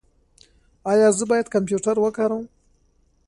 ایا زه باید کمپیوټر وکاروم؟